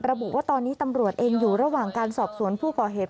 ระบุว่าตอนนี้ตำรวจเองอยู่ระหว่างการสอบสวนผู้ก่อเหตุ